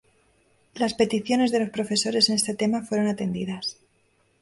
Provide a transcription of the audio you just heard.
Las peticiones de los profesores en este tema fueron atendidas.